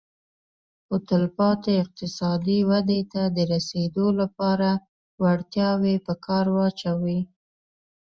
خو تلپاتې اقتصادي ودې ته د رسېدو لپاره وړتیاوې په کار واچوي